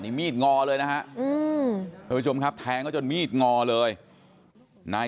นี่มีดงอเลยนะฮะ